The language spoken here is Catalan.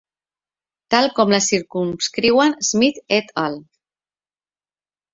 Tal com la circumscriuen Smith et al.